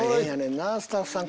んなスタッフさん。